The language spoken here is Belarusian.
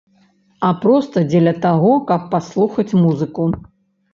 А проста дзеля таго, каб паслухаць музыку.